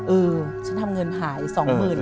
เออฉันทำเงินหายสองหมื่น